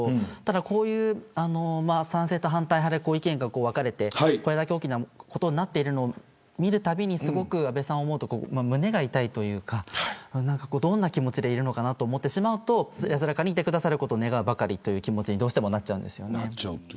こういう賛成派、反対派で意見が分かれてこれだけ大きなことになっているのを見るたびに安倍さんを思うと胸が痛いというかどんな気持ちでいるのかなと思ってしまうと安らかにいてくださることを願うばかりという気持ちです。